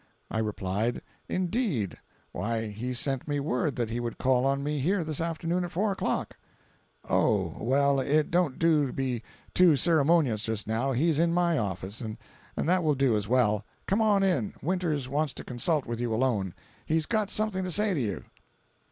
I replied, "Indeed! Why he sent me word that he would call on me here this afternoon at four o'clock!" "O, well, it don't do to be too ceremonious just now, he's in my office, and that will do as well—come on in, Winters wants to consult with you alone. He's got something to say to you."